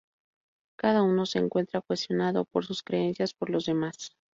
Cada uno se encuentra cuestionado por sus creencias por los demás.